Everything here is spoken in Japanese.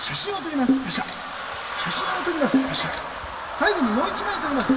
さいごにもう１まいとります。